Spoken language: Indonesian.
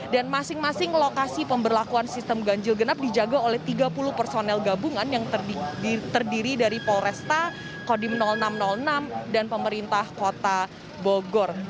dan masing masing lokasi pemberlakuan sistem ganjil genap dijaga oleh tiga puluh personel gabungan yang terdiri dari polresta kodim enam ratus enam dan pemerintah kota bogor